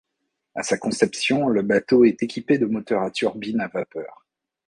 À sa conception, le bateau est équipé de moteurs à turbine à vapeur.